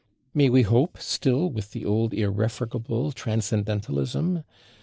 Might we hope, still with the old irrefragable transcendentalism?